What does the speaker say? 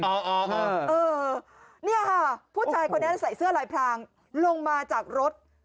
เออเนี่ยค่ะผู้ชายคนนั้นใส่เสื้อลายพรางลงมาจากรถ